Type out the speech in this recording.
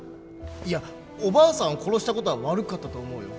いやおばあさんを殺した事は悪かったと思うよ。